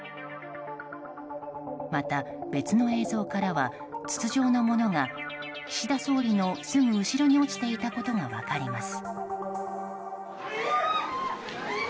また、別の映像からは筒状のものが岸田総理のすぐ後ろに落ちていたことが分かります。